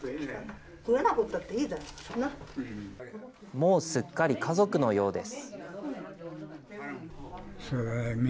もうすっかり家族のようです。